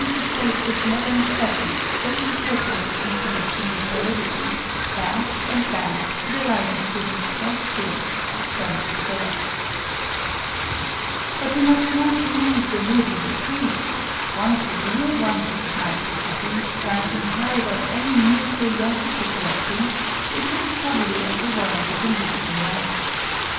Its outer luifoce ii my bcaulifullv The Wonders of Microscopy 801 to trace this modern study, so important in connection with heredity, back and back to the Leyden student's first glimpse of spermatozoa. But we must not lose the wood in the trees : one of the real wonders of microscopy, rising high above any mere curiosity collecting, is the discovery of a world of invisible life.